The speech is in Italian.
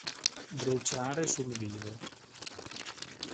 Bruciare sul vivo.